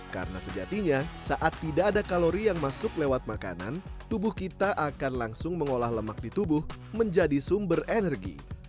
karena sejatinya saat tidak ada kalori yang masuk lewat makanan tubuh kita akan langsung mengolah lemak di tubuh menjadi sumber energi